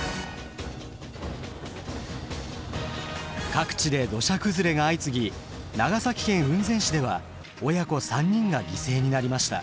各地で土砂崩れが相次ぎ長崎県雲仙市では親子３人が犠牲になりました。